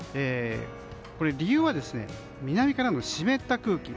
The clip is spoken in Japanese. この理由は南からの湿った空気。